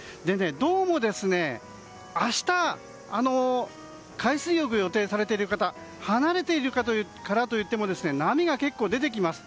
どうも、明日、海水浴を予定されている方離れているからといっても波が結構出てきます。